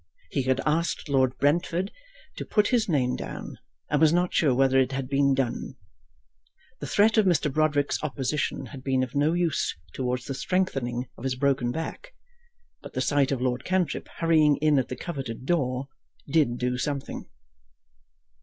He had asked Lord Brentford to put his name down, and was not sure whether it had been done. The threat of Mr. Broderick's opposition had been of no use towards the strengthening of his broken back, but the sight of Lord Cantrip hurrying in at the coveted door did do something.